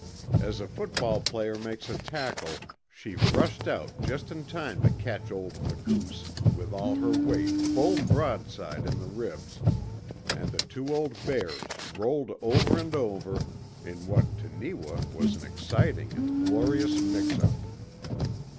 As a football player makes a tackle she rushed out just in time to catch old Makoos with all her weight full broadside in the ribs, and the two old bears rolled over and over in what to Neewa was an exciting and glorious mix up.